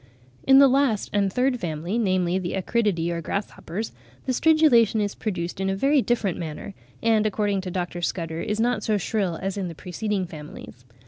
] In the last and third family, namely the Acridiidae or grasshoppers, the stridulation is produced in a very different manner, and according to Dr. Scudder, is not so shrill as in the preceding Families.